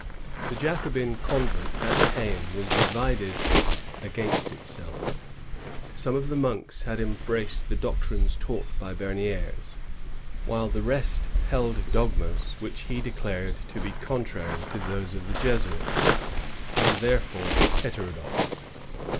The Jacobin convent at Caen was divided against itself. Some of the monks had embraced the doctrines taught by Bemidres, while the rest held dogmas which he declared to be contrary to those of the Jesuits, and therefore heterodox.